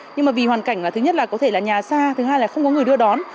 nhưng vì hoàn cảnh thứ nhất là nhà xa thứ hai là không có người đưa đón